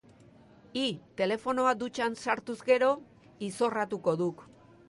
Hi, telefonoa dutxan sartuz gero, izorratuko duk.